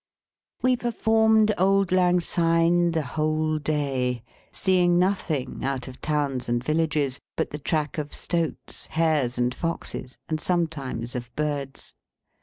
We performed Auld Lang Syne the whole day; seeing nothing, out of towns and villages, but the track of stoats, hares, and foxes, and sometimes of birds.